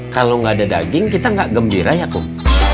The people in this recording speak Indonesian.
kalau gak ada daging kita gak gembira ya kum